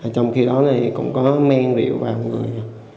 trong khi đó thì cũng có men rượu vào người